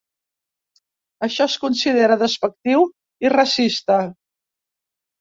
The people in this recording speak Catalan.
Això es considera despectiu i racista.